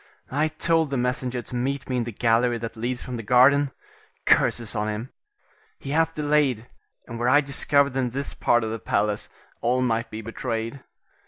I told the messenger to meet me in the gallery that leads from the garden. Curses on him! he hath delayed, and were I discovered in this part of the palace, all might be betrayed.